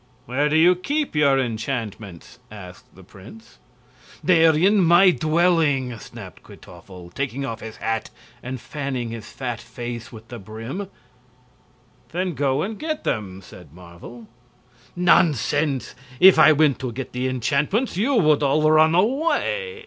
"Where do you keep your enchantments?" asked the prince. "They're in my dwelling," snapped Kwytoffle, taking off his hat and fanning his fat face with the brim. "Then go and get them," said Marvel. "Nonsense! If I went to get the enchantments you would all run away!"